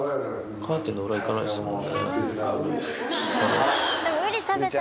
カーテンの裏、行かないですもんね。